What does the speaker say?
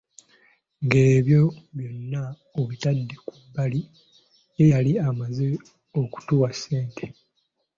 Ng'ebyo byonna obitadde ku bbali, ye yali amaze okutuwa ssente.